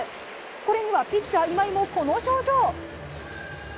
これにはピッチャー、今井もこの表情。